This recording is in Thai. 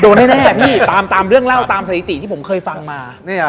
แน่พี่ตามตามเรื่องเล่าตามสถิติที่ผมเคยฟังมา